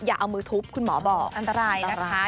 อย่าเอามือทุบคุณหมอบอกอันตรายนะคะ